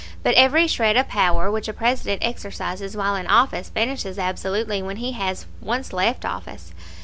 But every shred of power which a President exercises while in office vanishes absolutely when he has once left office.